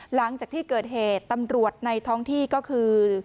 หลังจากที่เกิดเหตุตำรวจในท้องที่ก็คือ